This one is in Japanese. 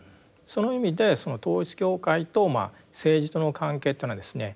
その意味で統一教会と政治との関係っていうのはですね